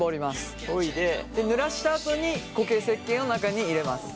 ぬらしたあとに固形せっけんを中に入れます。